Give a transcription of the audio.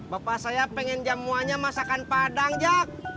bapak saya pengen jamuanya masakan padang jag